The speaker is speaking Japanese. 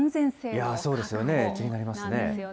そうですよね、気になりますね。